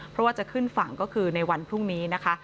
เพราะว่าจะขึ้นฝั่งก็คือในวันพรุ่งนี้นะคะ